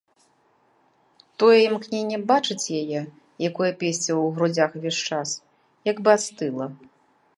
Тое імкненне бачыць яе, якое песціў у грудзях увесь час, як бы астыла.